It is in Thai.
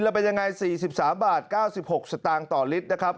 แล้วเป็นยังไง๔๓บาท๙๖สตางค์ต่อลิตรนะครับ